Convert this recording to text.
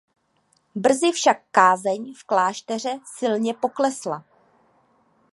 Brzy však kázeň v klášteře silně poklesla.